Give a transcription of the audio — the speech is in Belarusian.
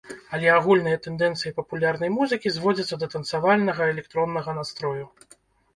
Але агульныя тэндэнцыі папулярнай музыкі зводзяцца да танцавальнага электроннага настрою.